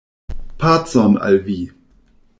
Pacon al vi.